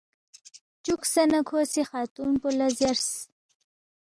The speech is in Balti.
چُوکسے نہ کھو سی خاتون پو لہ زیرس،